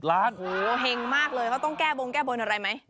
โอ้โหเห็งมากเลยเขาต้องแก้บงแก้บนอะไรไหม